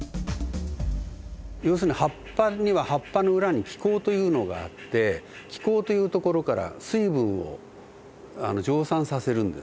要するに葉っぱには葉っぱの裏に気孔というのがあって気孔というところから水分を蒸散させるんです。